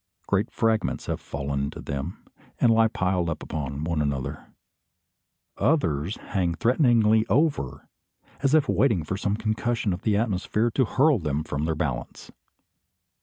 Great fragments have fallen into them, and lie piled one upon another. Others hang threatening over, as if waiting for some concussion of the atmosphere to hurl them from their balance.